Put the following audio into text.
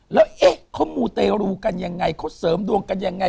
แล้วเอ๊ะเขามูเตรูกันยังไงเขาเสริมดวงกันยังไง